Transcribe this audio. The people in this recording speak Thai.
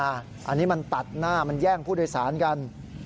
อันนี้มันตัดหน้ามันแย่งผู้โดยสารกัน